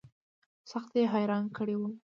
سخت يې حيران کړى وم.